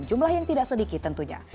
jumlah yang tidak sedikit tentunya